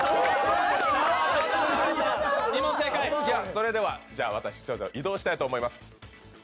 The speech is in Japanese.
それでは私、移動したいと思います。